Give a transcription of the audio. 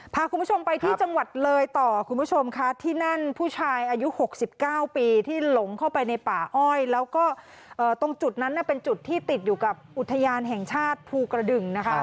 พาคุณผู้ชมไปที่จังหวัดเลย